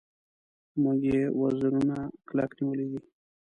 موږ یې وزرونه کلک نیولي دي.